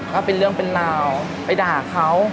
ก็เป็นเรื่องเป็นราวไปด่าเขา